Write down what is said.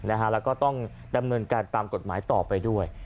แล้วก็ต้องดำเนินการตามกฎหมายต่อไปด้วย